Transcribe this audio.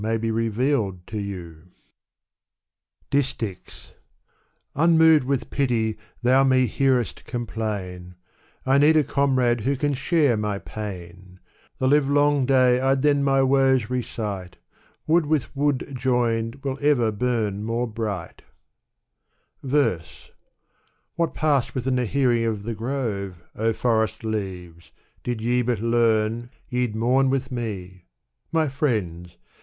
y be revealed to you," IHtHch$. Unmoved with pity thou me hear'st compIaiD \ I need a comrade who can share my pain : The livelong day I'd then my woes recite ; Wood with wood joined will ever bum more brig!... Verse^ *' What passed within my hearing ^/ the grave ^ O forest leaves! did ye but kam^ Ye^d mourn with me. My friends